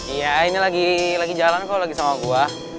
iya ini lagi jalan kok lagi sama gua